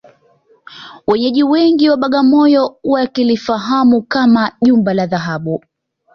Wenyeji wengi wa Bagamoyo wakilifahamu kama Jumba la Dhahabu